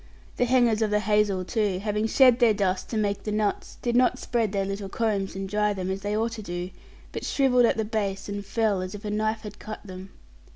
The hangers of the hazel, too, having shed their dust to make the nuts, did not spread their little combs and dry them, as they ought to do; but shrivelled at the base and fell, as if a knife had cut them.